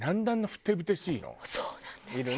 そうなんですよ。